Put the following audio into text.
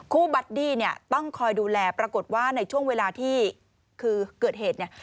บัดดี้เนี่ยต้องคอยดูแลปรากฏว่าในช่วงเวลาที่คือเกิดเหตุเนี่ย